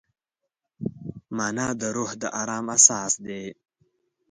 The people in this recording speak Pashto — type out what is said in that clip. مانا د روح د ارام اساس دی.